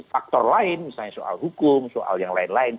faktor lain misalnya soal hukum soal yang lain lain